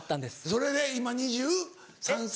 それで今２０２３歳。